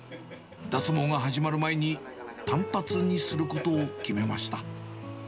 脱毛が始まる前に短髪にすることを決めました。